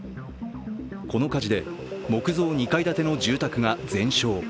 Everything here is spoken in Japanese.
この火事で木造２階建ての住宅が全焼。